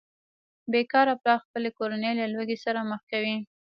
بې کاره پلار خپله کورنۍ له لوږې سره مخ کوي